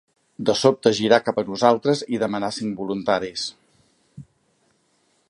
De sobte es girà cap a nosaltres i demanà cinc voluntaris